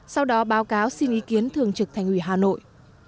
sau đó báo cáo xin ý kiến thường trực thành ủy hà nội